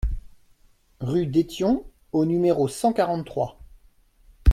Rue d'Etion au numéro cent quarante-trois